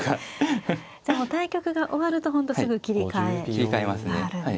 じゃあもう対局が終わると本当すぐ切り替えがあるんですね。